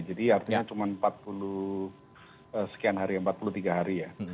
jadi artinya cuma empat puluh tiga hari ya